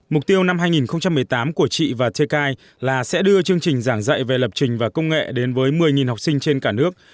mục tiêu năm hai nghìn một mươi tám của chị và thekai là sẽ đưa chương trình giảng dạy về lập trình và công nghệ đến với một mươi học sinh trên cả nước